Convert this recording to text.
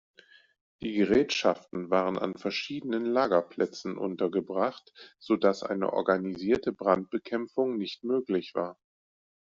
Die Gerätschaften waren an verschiedenen Lagerplätzen untergebracht, sodass eine organisierte Brandbekämpfung nicht möglich war.